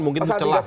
mungkin itu celah